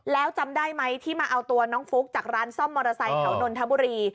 แล้วจำได้ไหมที่มาเอาตัวน้องฟุ๊กจากร้านซ่อมมอเตอร์ไซค์แถวนนทบุรี